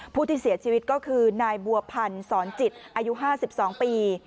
ผู้ที่เสียชีวิตก็คือนายบัวพันธ์สอนจิตอายุ๕๒ปี